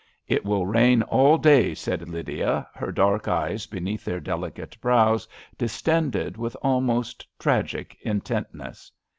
"It will rain all day," said Lydia^ her dark eyes, beneath their delicate brows, distended with almost tragic intentness.